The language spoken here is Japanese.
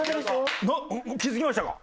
気づきましたか？